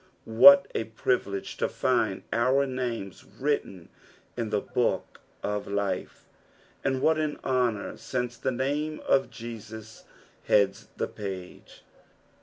What a privilege to find our names written in tbe book of life, and what an honour, since the name of Jesus heads the page